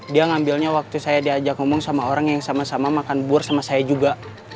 dia ngambilnya waktu saya diajak ngomong sama orang yang sama sama makan bur sama saya juga